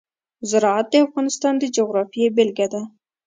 زراعت د افغانستان د جغرافیې بېلګه ده.